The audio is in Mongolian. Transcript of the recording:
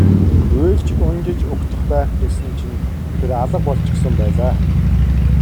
Уйлж унжиж угтах байх гэсэн чинь тэр алга болчихсон байлаа.